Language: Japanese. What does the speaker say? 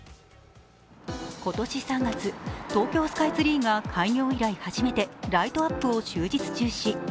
今年３月、東京スカイツリーが開業以来初めてライトアップを終日中止。